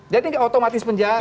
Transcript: jadi otomatis penjara